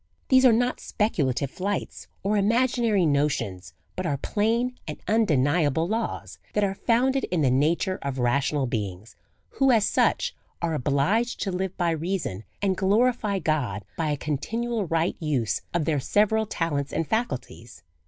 These are not speculative flights or imaginary notions, but are plain and undeniable laws, that are founded in the nature of rational beings, who as such are obliged to live by reason, and glority God by a continual right use of their several talents and faculties.